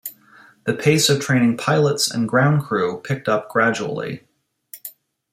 The pace of training pilots and ground crew picked up gradually.